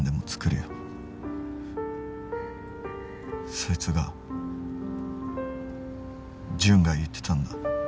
そいつがジュンが言ってたんだ。